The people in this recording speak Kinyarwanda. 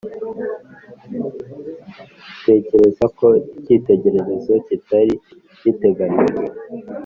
tekereza ko icyitegererezo kitari giteganijwe?